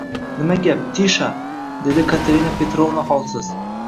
Nima gap, Tisha? – dedi Katerina Petrovna holsiz.